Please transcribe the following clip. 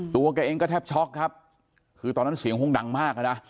ตัวเขาเองก็แทบช็อกครับคือตอนนั้นเสียงห้องดังมากอะนะ